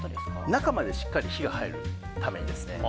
中までしっかり火が入るためですね。